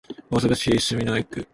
大阪市住之江区